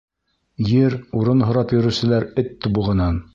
Ер, урын һорап йөрөүселәр эт тубығынан.